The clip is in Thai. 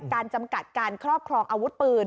จำกัดการครอบครองอาวุธปืน